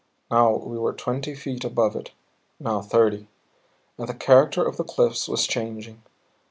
Now we were twenty feet above it, now thirty. And the character of the cliffs was changing.